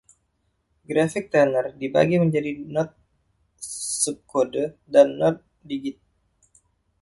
Grafik Tanner dibagi menjadi node subkode dan node digit.